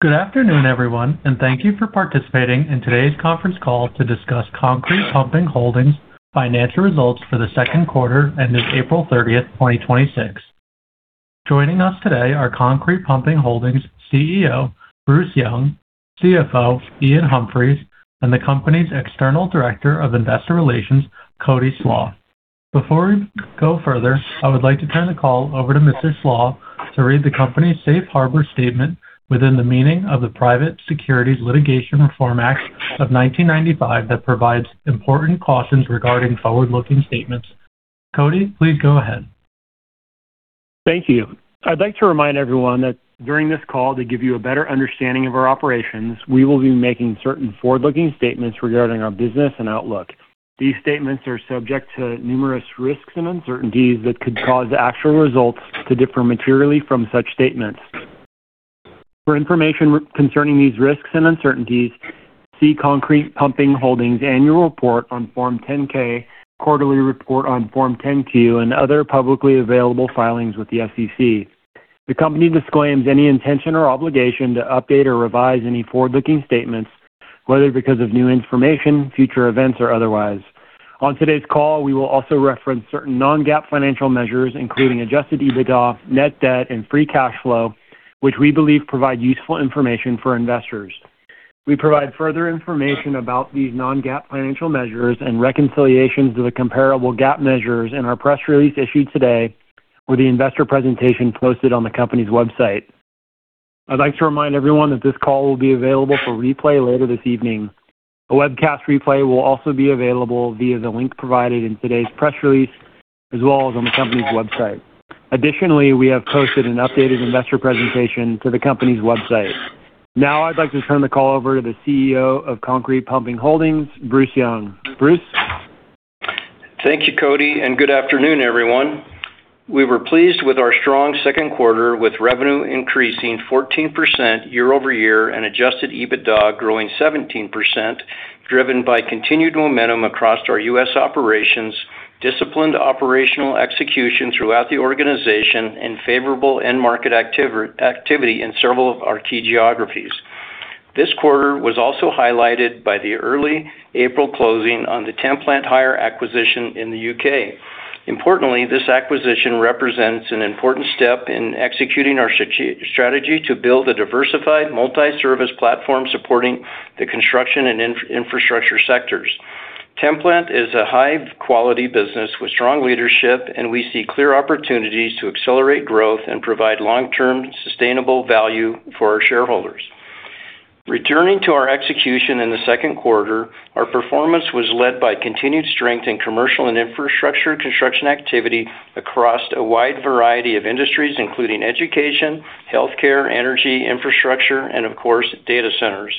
Good afternoon, everyone, and thank you for participating in today's conference call to discuss Concrete Pumping Holdings' financial results for the second quarter ended April 30th, 2026. Joining us today are Concrete Pumping Holdings Chief Executive Officer, Bruce Young, Chief Financial Officer, Iain Humphries, and the company's External Director of Investor Relations, Cody Slach. Before we go further, I would like to turn the call over to Mr. Slach to read the company's Safe Harbor statement within the meaning of the Private Securities Litigation Reform Act of 1995 that provides important cautions regarding forward-looking statements. Cody, please go ahead. Thank you. I'd like to remind everyone that during this call to give you a better understanding of our operations, we will be making certain forward-looking statements regarding our business and outlook. These statements are subject to numerous risks and uncertainties that could cause actual results to differ materially from such statements. For information concerning these risks and uncertainties, see Concrete Pumping Holdings' annual report on Form 10-K, quarterly report on Form 10-Q, and other publicly available filings with the SEC. The company disclaims any intention or obligation to update or revise any forward-looking statements, whether because of new information, future events, or otherwise. On today's call, we will also reference certain non-GAAP financial measures, including adjusted EBITDA, net debt, and free cash flow, which we believe provide useful information for investors. We provide further information about these non-GAAP financial measures and reconciliations to the comparable GAAP measures in our press release issued today with the investor presentation posted on the company's website. I'd like to remind everyone that this call will be available for replay later this evening. A webcast replay will also be available via the link provided in today's press release, as well as on the company's website. Additionally, we have posted an updated investor presentation to the company's website. Now, I'd like to turn the call over to the Chief Executive Officer of Concrete Pumping Holdings, Bruce Young. Bruce? Thank you, Cody, good afternoon, everyone. We were pleased with our strong second quarter, with revenue increasing 14% year-over-year and adjusted EBITDA growing 17%, driven by continued momentum across our U.S. operations, disciplined operational execution throughout the organization, and favorable end market activity in several of our key geographies. This quarter was also highlighted by the early April closing on the Temp Plant acquisition in the U.K. Importantly, this acquisition represents an important step in executing our strategy to build a diversified multi-service platform supporting the construction and infrastructure sectors. Temp Plant is a high-quality business with strong leadership, and we see clear opportunities to accelerate growth and provide long-term sustainable value for our shareholders. Returning to our execution in the second quarter, our performance was led by continued strength in commercial and infrastructure construction activity across a wide variety of industries, including education, healthcare, energy, infrastructure, and, of course, data centers.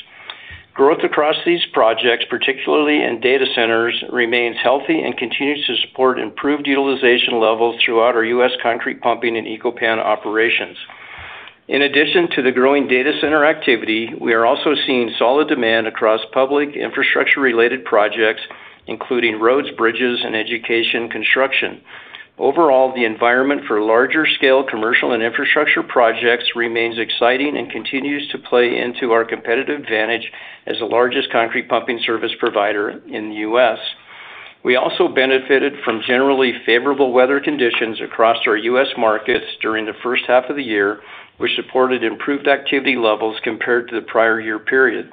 Growth across these projects, particularly in data centers, remains healthy and continues to support improved utilization levels throughout our U.S. concrete pumping and Eco-Pan operations. In addition to the growing data center activity, we are also seeing solid demand across public infrastructure-related projects, including roads, bridges, and education construction. Overall, the environment for larger scale commercial and infrastructure projects remains exciting and continues to play into our competitive advantage as the largest concrete pumping service provider in the U.S. We also benefited from generally favorable weather conditions across our U.S. markets during the first half of the year, which supported improved activity levels compared to the prior year period.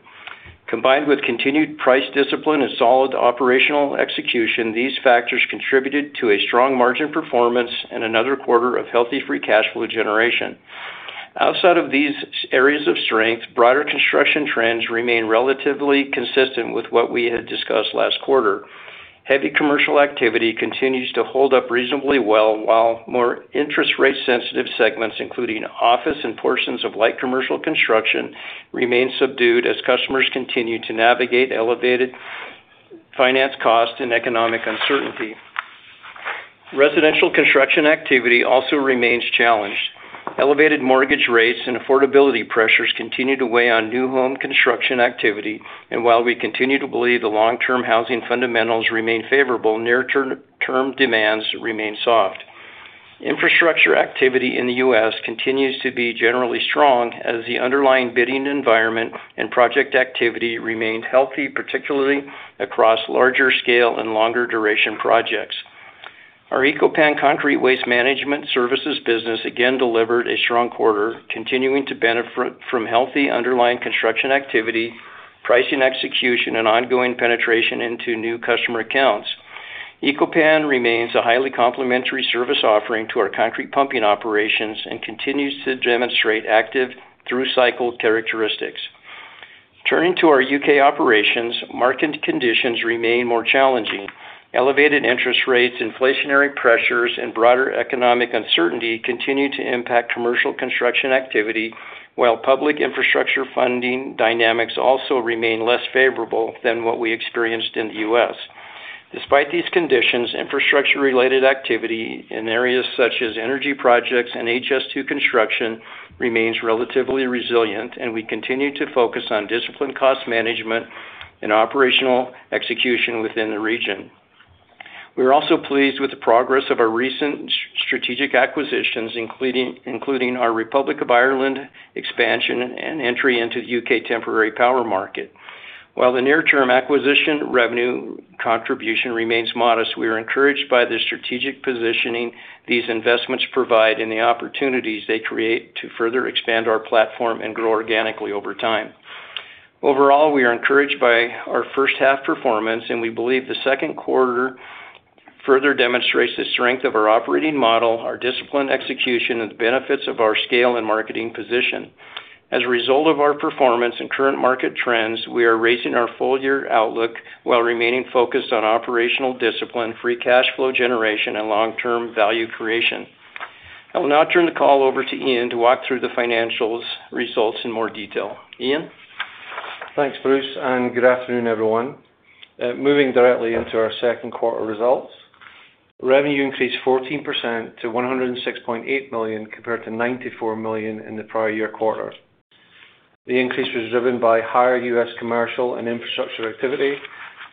Combined with continued price discipline and solid operational execution, these factors contributed to a strong margin performance and another quarter of healthy free cash flow generation. Outside of these areas of strength, broader construction trends remain relatively consistent with what we had discussed last quarter. Heavy commercial activity continues to hold up reasonably well, while more interest rate-sensitive segments, including office and portions of light commercial construction, remain subdued as customers continue to navigate elevated finance costs and economic uncertainty. Residential construction activity also remains challenged. Elevated mortgage rates and affordability pressures continue to weigh on new home construction activity, and while we continue to believe the long-term housing fundamentals remain favorable, near-term demands remain soft. Infrastructure activity in the U.S. continues to be generally strong as the underlying bidding environment and project activity remained healthy, particularly across larger scale and longer duration projects. Our Eco-Pan concrete waste management services business again delivered a strong quarter, continuing to benefit from healthy underlying construction activity, pricing execution, and ongoing penetration into new customer accounts. Eco-Pan remains a highly complementary service offering to our concrete pumping operations and continues to demonstrate active through-cycle characteristics. Turning to our U.K. operations, market conditions remain more challenging. Elevated interest rates, inflationary pressures, and broader economic uncertainty continue to impact commercial construction activity while public infrastructure funding dynamics also remain less favorable than what we experienced in the U.S. Despite these conditions, infrastructure-related activity in areas such as energy projects and HS2 construction remains relatively resilient, and we continue to focus on disciplined cost management and operational execution within the region. We're also pleased with the progress of our recent strategic acquisitions, including our Republic of Ireland expansion and entry into the U.K. temporary power market. While the near-term acquisition revenue contribution remains modest, we are encouraged by the strategic positioning these investments provide and the opportunities they create to further expand our platform and grow organically over time. Overall, we are encouraged by our first half performance, and we believe the second quarter further demonstrates the strength of our operating model, our disciplined execution, and the benefits of our scale and marketing position. As a result of our performance and current market trends, we are raising our full year outlook while remaining focused on operational discipline, free cash flow generation, and long-term value creation. I will now turn the call over to Iain to walk through the financial results in more detail. Iain? Thanks, Bruce, and good afternoon, everyone. Moving directly into our second quarter results. Revenue increased 14% to $106.8 million compared to $94 million in the prior year quarter. The increase was driven by higher U.S. commercial and infrastructure activity,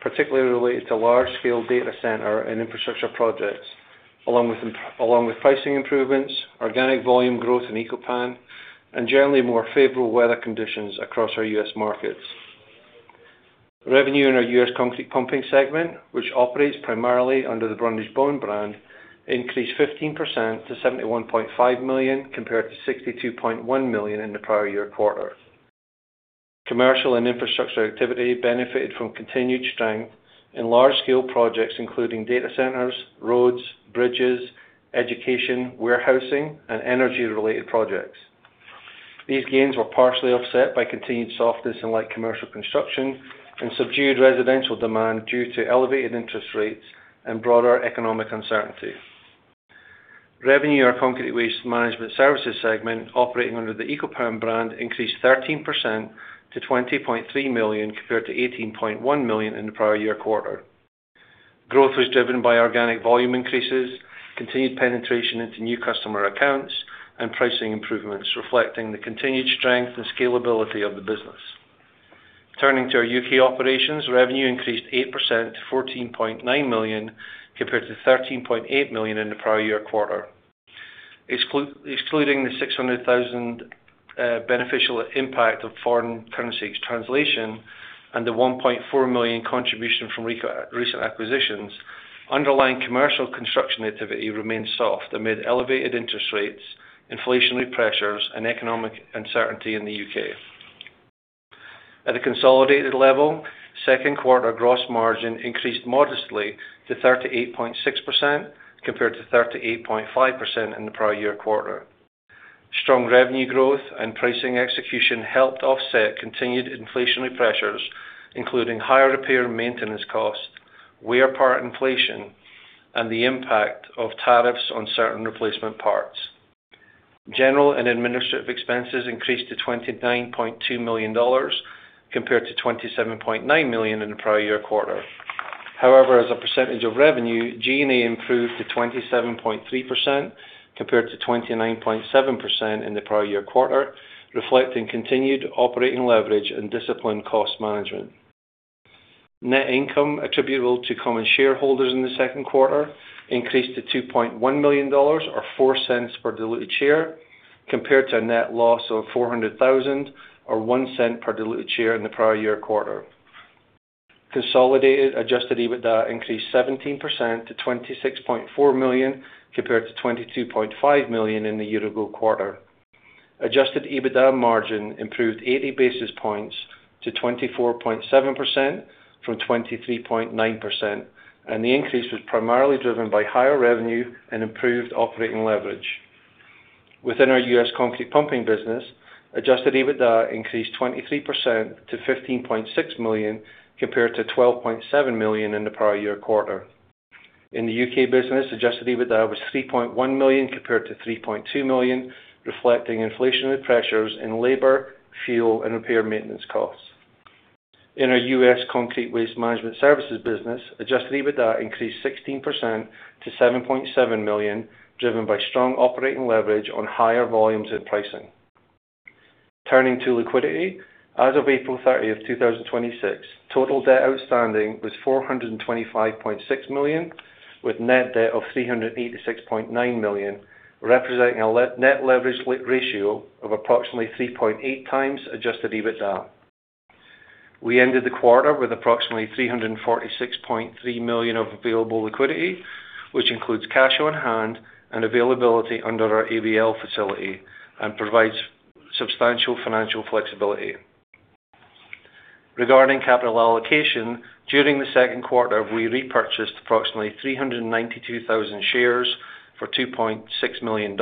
particularly related to large-scale data center and infrastructure projects, along with pricing improvements, organic volume growth in Eco-Pan, and generally more favorable weather conditions across our U.S. markets. Revenue in our U.S. Concrete Pumping segment, which operates primarily under the Brundage-Bone brand, increased 15% to $71.5 million compared to $62.1 million in the prior year quarter. Commercial and infrastructure activity benefited from continued strength in large-scale projects including data centers, roads, bridges, education, warehousing, and energy-related projects. These gains were partially offset by continued softness in light commercial construction and subdued residential demand due to elevated interest rates and broader economic uncertainty. Revenue in our Concrete Waste Management Services segment, operating under the Eco-Pan brand, increased 13% to $20.3 million compared to $18.1 million in the prior year quarter. Growth was driven by organic volume increases, continued penetration into new customer accounts, and pricing improvements reflecting the continued strength and scalability of the business. Turning to our U.K. operations, revenue increased 8% to $14.9 million compared to $13.8 million in the prior year quarter. Excluding the $600,000 beneficial impact of foreign currency translation and the $1.4 million contribution from recent acquisitions, underlying commercial construction activity remained soft amid elevated interest rates, inflationary pressures, and economic uncertainty in the U.K. At a consolidated level, second quarter gross margin increased modestly to 38.6% compared to 38.5% in the prior year quarter. Strong revenue growth and pricing execution helped offset continued inflationary pressures, including higher repair and maintenance costs, wear part inflation, and the impact of tariffs on certain replacement parts. General and administrative expenses increased to $29.2 million compared to $27.9 million in the prior year quarter. However, as a percentage of revenue, G&A improved to 27.3% compared to 29.7% in the prior year quarter, reflecting continued operating leverage and disciplined cost management. Net income attributable to common shareholders in the second quarter increased to $2.1 million or $0.04 per diluted share, compared to a net loss of $400,000 or $0.01 per diluted share in the prior year quarter. Consolidated adjusted EBITDA increased 17% to $26.4 million compared to $22.5 million in the year-ago quarter. Adjusted EBITDA margin improved 80 basis points to 24.7% from 23.9%, and the increase was primarily driven by higher revenue and improved operating leverage. Within our U.S. Concrete Pumping business, adjusted EBITDA increased 23% to $15.6 million compared to $12.7 million in the prior year quarter. In the U.K. business, adjusted EBITDA was $3.1 million compared to $3.2 million, reflecting inflationary pressures in labor, fuel, and repair maintenance costs. In our U.S. Concrete Waste Management Services business, adjusted EBITDA increased 16% to $7.7 million, driven by strong operating leverage on higher volumes and pricing. Turning to liquidity, as of April 30th, 2026, total debt outstanding was $425.6 million, with net debt of $386.9 million, representing a net leverage ratio of approximately 3.8 times adjusted EBITDA. We ended the quarter with approximately $346.3 million of available liquidity, which includes cash on hand and availability under our ABL facility and provides substantial financial flexibility. Regarding capital allocation, during the second quarter, we repurchased approximately 392,000 shares for $2.6 million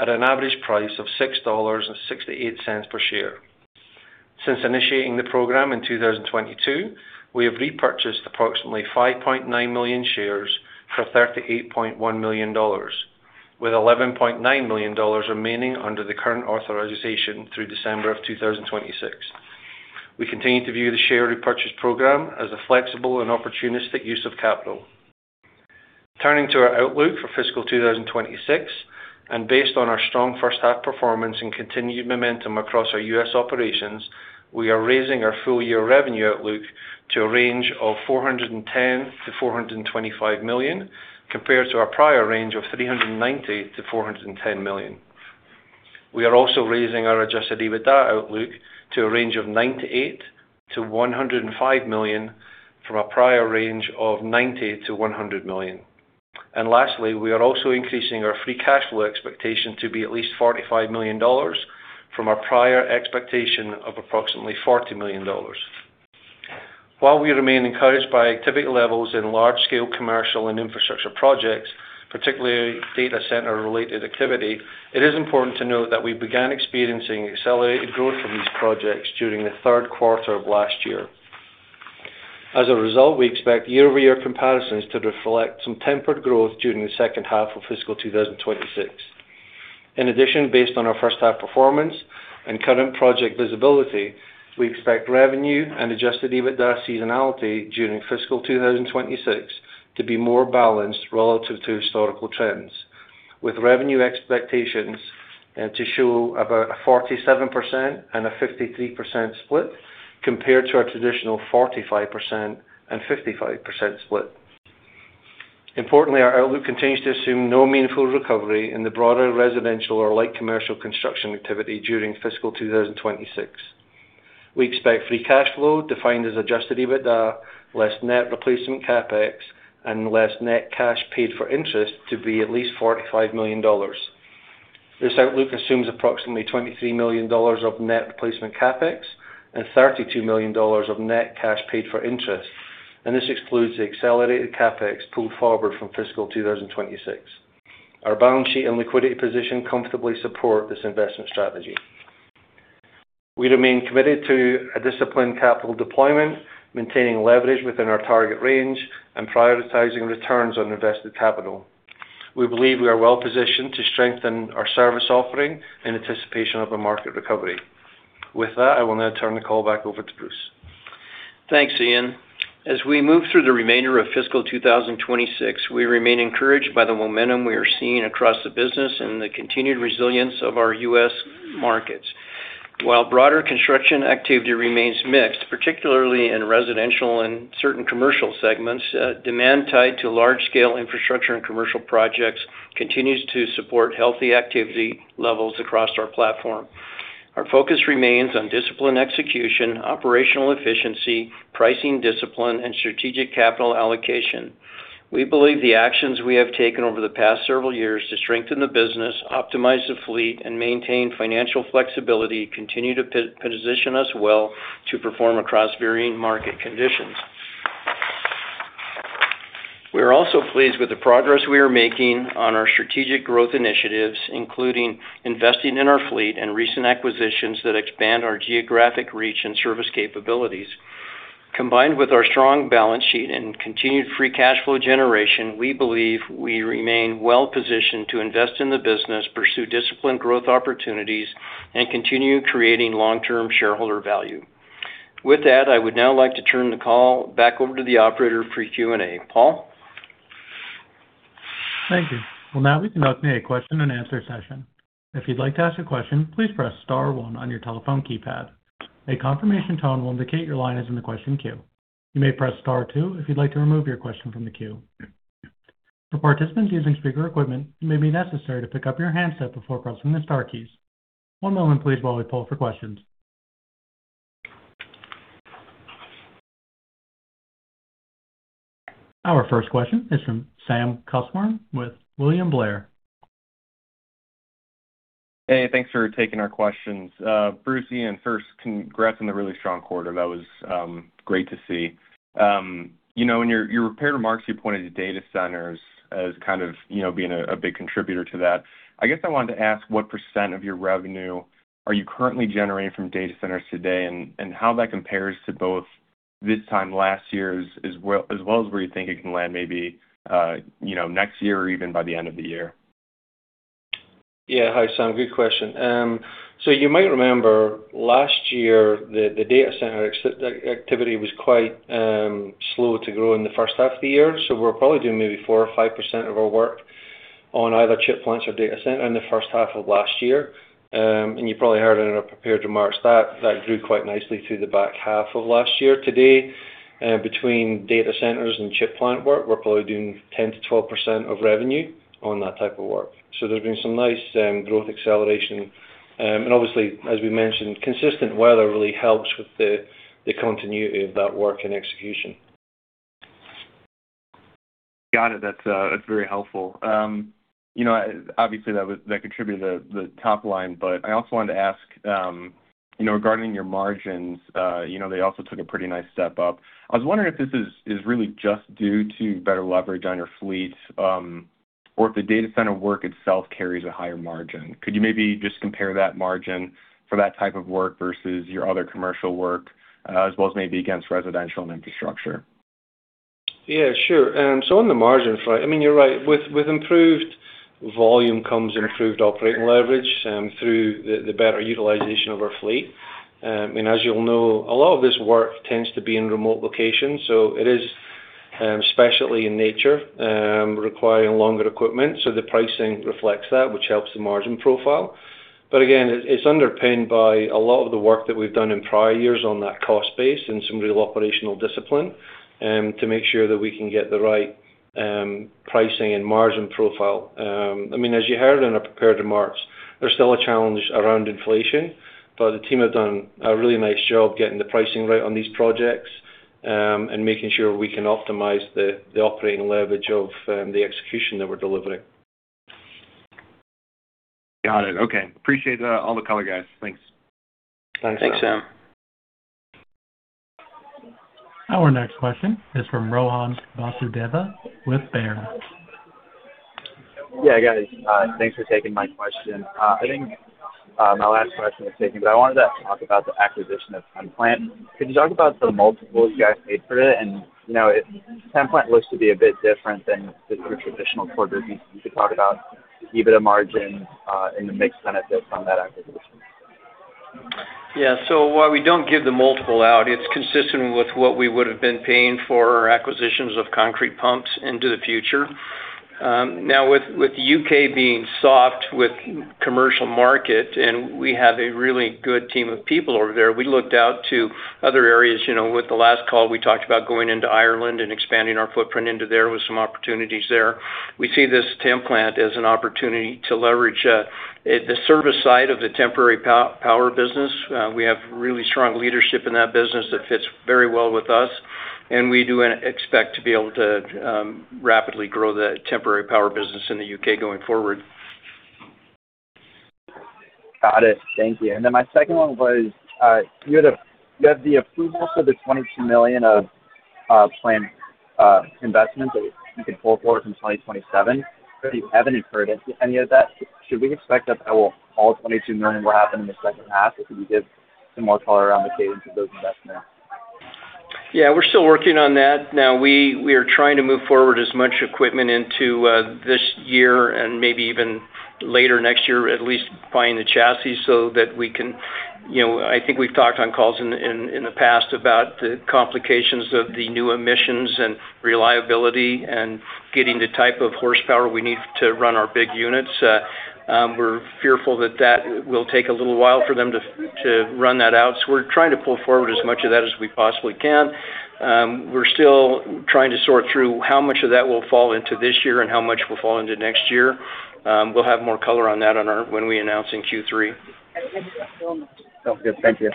at an average price of $6.68 per share. Since initiating the program in 2022, we have repurchased approximately 5.9 million shares for $38.1 million, with $11.9 million remaining under the current authorization through December of 2026. We continue to view the share repurchase program as a flexible and opportunistic use of capital. To our outlook for fiscal 2026, and based on our strong first half performance and continued momentum across our U.S. operations, we are raising our full year revenue outlook to a range of $410 million-$425 million, compared to our prior range of $390 million-$410 million. We are also raising our adjusted EBITDA outlook to a range of $98 million-$105 million from a prior range of $90 million-$100 million. Lastly, we are also increasing our free cash flow expectation to be at least $45 million from our prior expectation of approximately $40 million. While we remain encouraged by activity levels in large scale commercial and infrastructure projects, particularly data center related activity, it is important to note that we began experiencing accelerated growth in these projects during the third quarter of last year. As a result, we expect year-over-year comparisons to reflect some tempered growth during the second half of fiscal 2026. In addition, based on our first half performance and current project visibility, we expect revenue and adjusted EBITDA seasonality during fiscal 2026 to be more balanced relative to historical trends, with revenue expectations to show about a 47% and a 53% split compared to our traditional 45% and 55% split. Importantly, our outlook continues to assume no meaningful recovery in the broader residential or light commercial construction activity during fiscal 2026. We expect free cash flow defined as adjusted EBITDA, less net replacement CapEx and less net cash paid for interest to be at least $45 million. This outlook assumes approximately $23 million of net replacement CapEx and $32 million of net cash paid for interest, and this excludes the accelerated CapEx pulled forward from fiscal 2026. Our balance sheet and liquidity position comfortably support this investment strategy. We remain committed to a disciplined capital deployment, maintaining leverage within our target range and prioritizing returns on invested capital. We believe we are well-positioned to strengthen our service offering in anticipation of a market recovery. With that, I will now turn the call back over to Bruce. Thanks, Iain. As we move through the remainder of fiscal 2026, we remain encouraged by the momentum we are seeing across the business and the continued resilience of our U.S. markets. While broader construction activity remains mixed, particularly in residential and certain commercial segments, demand tied to large scale infrastructure and commercial projects continues to support healthy activity levels across our platform. Our focus remains on disciplined execution, operational efficiency, pricing discipline, and strategic capital allocation. We believe the actions we have taken over the past several years to strengthen the business, optimize the fleet, and maintain financial flexibility continue to position us well to perform across varying market conditions. We are also pleased with the progress we are making on our strategic growth initiatives, including investing in our fleet and recent acquisitions that expand our geographic reach and service capabilities. Combined with our strong balance sheet and continued free cash flow generation, we believe we remain well positioned to invest in the business, pursue disciplined growth opportunities, and continue creating long-term shareholder value. With that, I would now like to turn the call back over to the operator for Q&A. Paul? Thank you. We can open a question and answer session. If you'd like to ask a question, please press star one on your telephone keypad. A confirmation tone will indicate your line is in the question queue. You may press star two if you'd like to remove your question from the queue. For participants using speaker equipment, it may be necessary to pick up your handset before pressing the star keys. One moment please while we pull for questions. Our first question is from Sam Kusswurm with William Blair. Hey, thanks for taking our questions. Bruce, Iain, first congrats on the really strong quarter. That was great to see. In your prepared remarks, you pointed to data centers as kind of being a big contributor to that. I guess I wanted to ask what percentage of your revenue are you currently generating from data centers today, and how that compares to both this time last year, as well as where you think it can land maybe next year or even by the end of the year? Hi, Sam, good question. You might remember last year, the data center activity was quite slow to grow in the first half of the year. We were probably doing maybe 4% or 5% of our work on either chip plants or data center in the first half of last year. You probably heard it in our prepared remarks that that grew quite nicely through the back half of last year. Today, between data centers and chip plant work, we're probably doing 10%-12% of revenue on that type of work. There's been some nice growth acceleration. Obviously, as we mentioned, consistent weather really helps with the continuity of that work and execution. Got it. That's very helpful. Obviously, that contributed to the top line. I also wanted to ask, regarding your margins, they also took a pretty nice step up. I was wondering if this is really just due to better leverage on your fleet, or if the data center work itself carries a higher margin. Could you maybe just compare that margin for that type of work versus your other commercial work, as well as maybe against residential and infrastructure? Yeah, sure. On the margins front, you're right. With improved volume comes improved operating leverage through the better utilization of our fleet. As you'll know, a lot of this work tends to be in remote locations, so it is specialty in nature, requiring longer equipment. The pricing reflects that, which helps the margin profile. Again, it's underpinned by a lot of the work that we've done in prior years on that cost base and some real operational discipline to make sure that we can get the right pricing and margin profile. As you heard in our prepared remarks, there's still a challenge around inflation, but the team have done a really nice job getting the pricing right on these projects, and making sure we can optimize the operating leverage of the execution that we're delivering. Got it. Okay. Appreciate all the color, guys. Thanks. Thanks. Thanks, Sam. Our next question is from Rohan Vasudeva with Baird. Guys. Thanks for taking my question. I think my last question was taken, but I wanted to talk about the acquisition of Temp Plant. Could you talk about the multiples you guys paid for it? Temp Plant looks to be a bit different than the three traditional core groups. You could talk about EBITDA margin, and the mixed benefit from that acquisition. While we don't give the multiple out, it's consistent with what we would've been paying for our acquisitions of concrete pumps into the future. Now with the U.K. being soft with commercial market and we have a really good team of people over there, we looked out to other areas. With the last call, we talked about going into Ireland and expanding our footprint into there, with some opportunities there. We see this Temp Plant as an opportunity to leverage the service side of the temporary power business. We have really strong leadership in that business that fits very well with us, and we do expect to be able to rapidly grow the temporary power business in the U.K. going forward. Got it. Thank you. My second one was, you had the approval for the $22 million of planned investments that you can pull forward from 2027. You haven't incurred any of that. Should we expect that all $22 million will happen in the second half? Could you give some more color around the cadence of those investments? We're still working on that now. We are trying to move forward as much equipment into this year and maybe even later next year, at least buying the chassis so that we can I think we've talked on calls in the past about the complications of the new emissions and reliability and getting the type of horsepower we need to run our big units. We're fearful that that will take a little while for them to run that out. We're trying to pull forward as much of that as we possibly can. We're still trying to sort through how much of that will fall into this year and how much will fall into next year. We'll have more color on that when we announce in Q3. Sounds good. Thank you.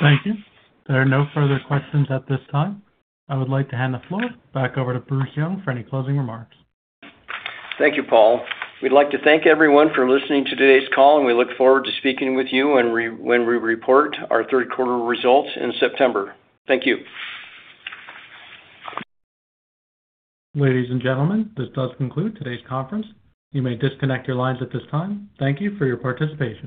Thank you. There are no further questions at this time. I would like to hand the floor back over to Bruce Young for any closing remarks. Thank you, Paul. We'd like to thank everyone for listening to today's call, and we look forward to speaking with you when we report our third quarter results in September. Thank you. Ladies and gentlemen, this does conclude today's conference. You may disconnect your lines at this time. Thank you for your participation.